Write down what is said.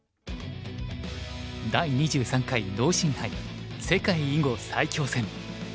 第２３回農心杯世界囲碁最強戦。